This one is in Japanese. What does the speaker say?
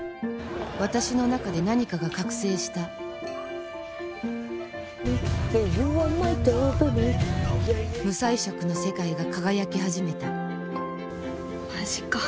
私の中で何かが覚醒した無彩色の世界が輝き始めたマジか。